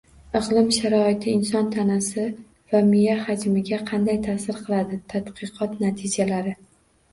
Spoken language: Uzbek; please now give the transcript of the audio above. Iqlim sharoiti inson tanasi va miya hajmiga qanday ta'sir qiladi? Tadqiqot natijalari